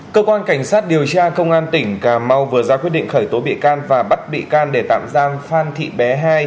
cơ quan cảnh sát điều tra công an tỉnh cà mau vừa ra quyết định khởi tố bị can và bắt bị can để tạm giam phan thị bé hai